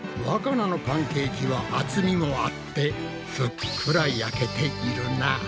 わかなのパンケーキは厚みもあってふっくら焼けているな。